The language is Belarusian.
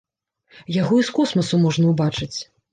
Яго і з космасу можна ўбачыць.